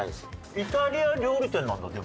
イタリア料理店なんだでも。